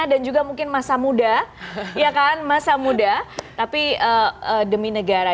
dan juga mungkin masa muda ya kan masa muda tapi demi negara